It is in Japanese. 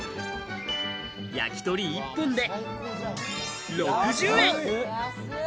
焼き鳥一本で６０円。